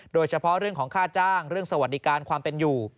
โดยเฉพาะเรื่องของค่าจ้างเรื่องสวัสดิการความเป็นอยู่